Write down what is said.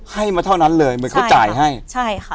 ให้มาเท่านั้นเลยเหมือนเขาจ่ายให้ใช่ค่ะ